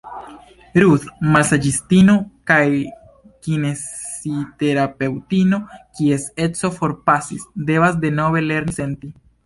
Ruth, masaĝistino kaj kinesiterapeŭtino kies edzo forpasis, devas denove lerni senti.